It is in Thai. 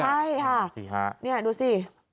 ใช่ค่ะนี่ดูสิ